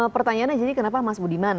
pertanyaannya jadi kenapa mas budiman